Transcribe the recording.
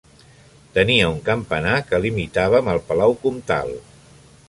Tenia un campanar que limitava amb el Palau Comtal.